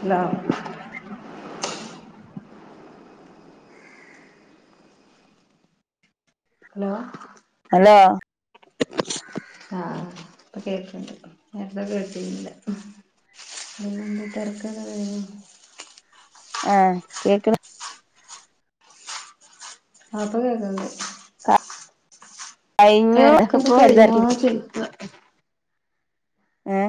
hello hello ഓ ആ ഇപ്പൊ കേൾക്ക്ന്ന്ണ്ട് നേരത്തെ കേട്ടിനില്ല [unintelligible] ഏ കേക്ക്ണ് ആ പ്പ കേക്കുന്നുണ്ട് [unintelligible] കഴിഞ്ഞു തെരക്കൊക്കെ ഇപ്പൊ കഴിഞ്ഞോ വലുതാക്കി ചോദിക്ക ഏ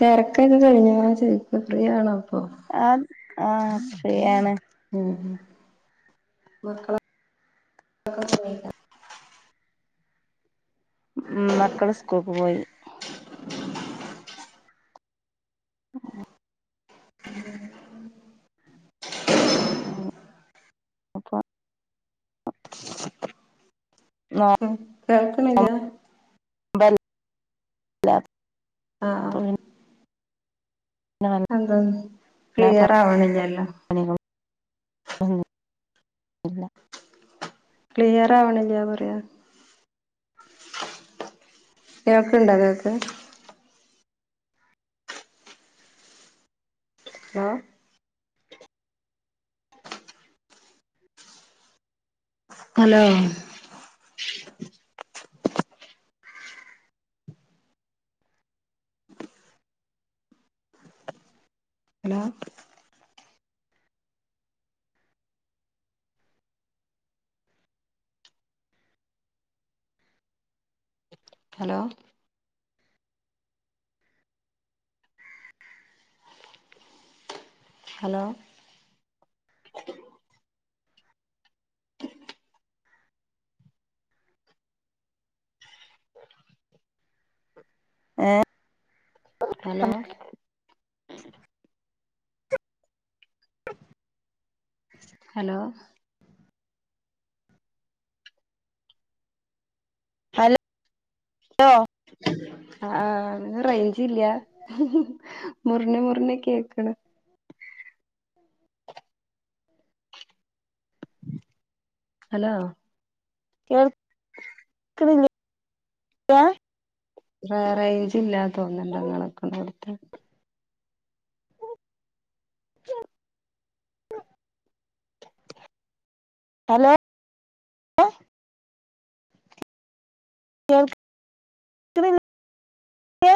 തെരക്കൊക്കെ കഴിഞ്ഞോചോയ്ക്ക്യ ഫ്രീ ആണോ ഇപ്പൊ ആഹ ആഹ ഫ്രീയാണ് മക്കള് മക്കള് സ്കൂൾക്ക് പോയി ഉം ഉം ഉ അപ്പ കേൾക്കണില്ല [inaudible] ആഹ അപ്പൊ പിന്നെ എന്താന്ന് ക്ലിയർ ആവണില്ലല്ലോ ഇല്ല ക്ലിയർ ആവണില്യ പറയാ കേൾക്കണ്ട ഇയാക്ക് ആ ഹലോ ഹലോ ഹലോ ഹലോ ഏ ഹലോ [inaudible] ഹലോ ഹലോ ആ അ റേഞ്ച് ഇല്ല മുറിഞ്ഞ് മുറിഞ്ഞ് കേക്കണ് [inaudible] ഹലോ കേൾ ന്നില്ലേ റേഞ്ച് ഇല്ലാ തോന്നുണ്ടങ്ങളൊക്കെണ്ട് അവടുത്ത [inaudible] ഹലോ കേൾക്കിണില്ലേ